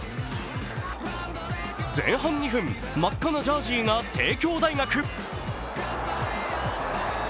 前半２分、真っ赤なジャージーが帝京大学。